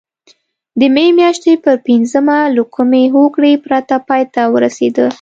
د مې میاشتې پر پینځمه له کومې هوکړې پرته پای ته ورسېده.